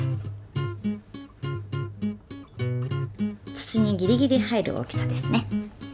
筒にギリギリ入る大きさですね。